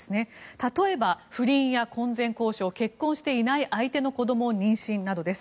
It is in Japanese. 例えば、不倫や婚前交渉結婚していない相手の子供を妊娠などです。